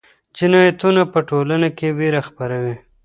جنایتونه په ټولنه کې ویره خپروي.